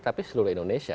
tapi seluruh indonesia